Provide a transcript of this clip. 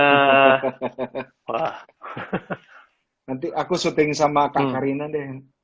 nanti aku syuting sama kak karina deh